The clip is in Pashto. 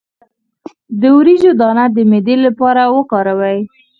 د وریجو دانه د معدې لپاره وکاروئ